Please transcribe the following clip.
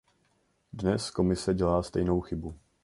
Dnes Komise dělá stejnou chybu.